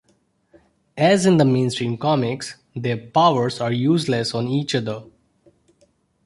As in the mainstream comics, their powers are useless on each other.